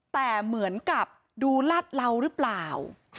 แต่เหมือนกับดูลัดเรารึเปล่า